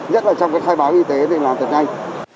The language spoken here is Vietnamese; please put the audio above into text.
nhất là trong cái khai báo y tế thì làm thật nhanh